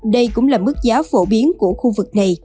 đây cũng là mức giá phổ biến của khu vực này